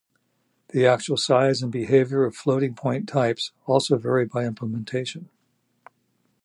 The actual size and behavior of floating-point types also vary by implementation.